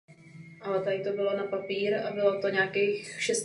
Vůni a chutí vždy odkazuje na výběr surovin a způsob výroby.